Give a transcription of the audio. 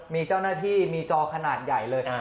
มีเจ้าหน้าที่มีจอขนาดใหญ่เลย